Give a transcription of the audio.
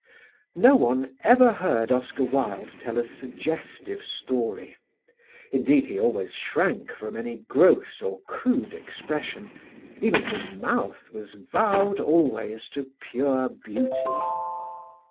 No one ever heard Oscar Wilde tell a suggestive story; indeed he always shrank from any gross or crude expression; even his mouth was vowed always to pure beauty.